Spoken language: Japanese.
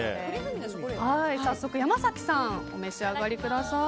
早速、山崎さんお召し上がりください。